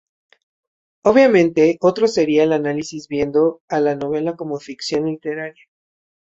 Obviamente, otro sería el análisis viendo a la novela como ficción literaria.